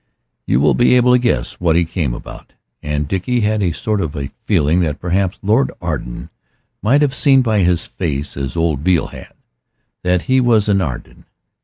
You will be able to guess what he came about. And Dickie had a sort of feeling that perhaps Lord Arden might have seen by his face, as old Beale had, that he was an Arden.